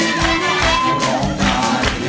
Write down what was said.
เมื่อสักครู่นี้ถูกต้องทั้งหมด